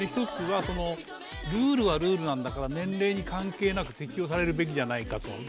１つはルールはルールなんだから年齢に関係なく適用されるべきじゃないかと。